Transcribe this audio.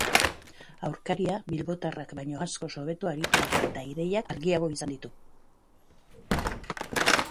Aurkaria bilbotarrak baino askoz hobeto aritu da eta ideiak argiago izan ditu.